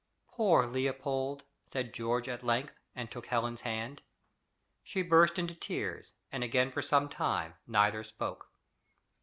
"Poor Leopold!" said George at length, and took Helen's hand. She burst into tears, and again for some time neither spoke.